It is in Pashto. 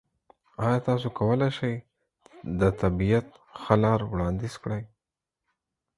ایا تاسو کولی شئ د طبیعت ښه لار وړاندیز کړئ؟